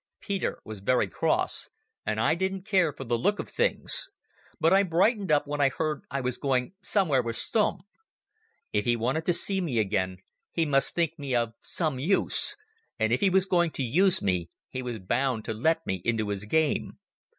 Peter was very cross, and I didn't care for the look of things; but I brightened up when I heard I was going somewhere with Stumm. If he wanted to see me again he must think me of some use, and if he was going to use me he was bound to let me into his game.